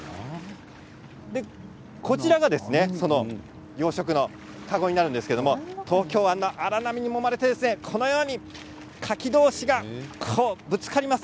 こちらがその養殖の籠になるんですけれど東京湾の荒波にもまれてこのようにカキ同士がぶつかります。